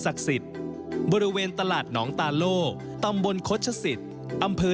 สิทธิ์บริเวณตลาดหนองตาโล่ตำบลโฆษศิษย์อำเภอ